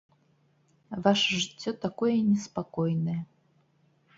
Ваша жыццё такое неспакойнае.